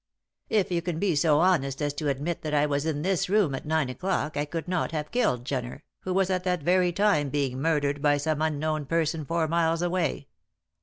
"If you can be so honest as to admit that I was in this room at nine o'clock I could not have killed Jenner, who was at that very time being murdered by some unknown person four miles away.